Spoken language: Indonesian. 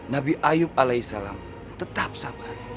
nabi ayub alaihissalam tetap sabar